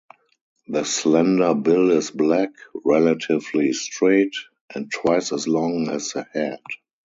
The slender bill is black, relatively straight, and twice as long as the head.